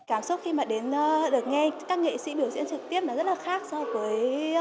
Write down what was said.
cảm xúc khi mà đến được nghe các nghệ sĩ biểu diễn trực tiếp rất là khác so với